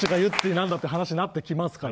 なんだって話になってきますから。